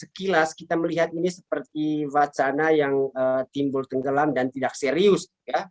sekilas kita melihat ini seperti wacana yang timbul tenggelam dan tidak serius